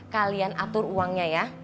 kalian atur uangnya ya